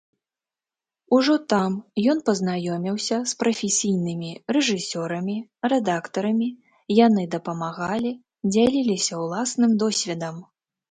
Ужо там ён пазнаёміўся з прафесійнымі рэжысёрамі, рэдактарамі, яны дапамагалі, дзяліліся ўласным досведам.